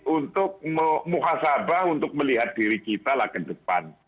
untuk mukhasabah untuk melihat diri kita ke depan